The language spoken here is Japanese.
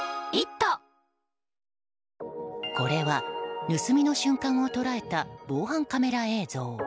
これは盗みの瞬間を捉えた防犯カメラ映像。